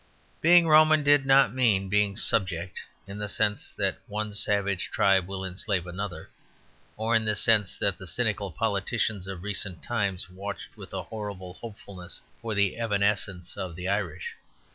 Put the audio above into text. Being Roman did not mean being subject, in the sense that one savage tribe will enslave another, or in the sense that the cynical politicians of recent times watched with a horrible hopefulness for the evanescence of the Irish.